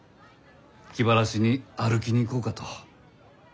気晴らしに歩きに行こうかと。